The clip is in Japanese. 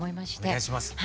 お願いします。